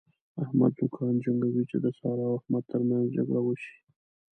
احمد نوکان جنګوي چې د سارا او احمد تر منځ جګړه وشي.